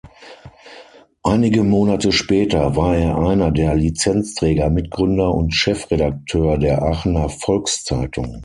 Einige Monate später war er einer der Lizenzträger, Mitgründer und Chefredakteur der Aachener Volkszeitung.